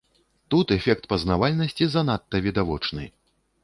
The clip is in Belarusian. Тут эфект пазнавальнасці занадта відавочны.